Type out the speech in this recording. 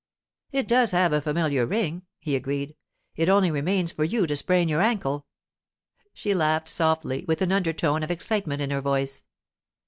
'It does have a familiar ring,' he agreed. 'It only remains for you to sprain your ankle.' She laughed softly, with an undertone of excitement in her voice.